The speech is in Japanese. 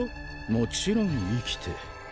もちろん生きて。